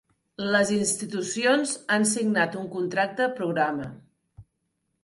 Les institucions han signat un contracte programa.